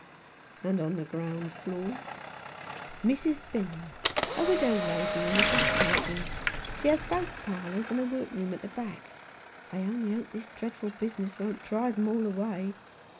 " And on the ground floor ?" "Mrs. Benning, a widow lady in the dress making. She has both parlours, and a workroom at the back. I only hope this dreadful business won't drive them all away.